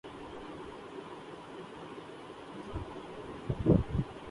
بھارت میں خشونت سنگھ کی کتاب فحش قرار عام فروخت پر پابندی